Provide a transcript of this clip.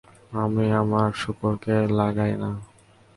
আমি আমার শূকরকে লাগাই না।